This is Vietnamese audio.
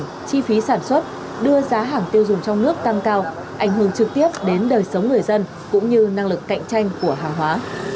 chi phí sản xuất đưa giá hàng tiêu dùng trong nước tăng cao ảnh hưởng trực tiếp đến đời sống người dân cũng như năng lực cạnh tranh của hàng hóa